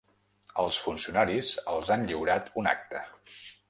Els funcionaris els han lliurat una acta.